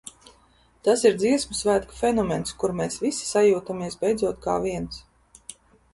Tas ir Dziesmu svētku fenomens, kur mēs visi sajūtamies beidzot kā viens.